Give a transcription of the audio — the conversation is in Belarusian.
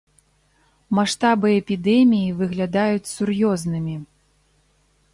Маштабы эпідэміі выглядаюць сур'ёзнымі.